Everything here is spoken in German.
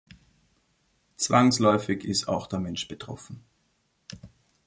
Zwangsläufig ist auch der Mensch betroffen.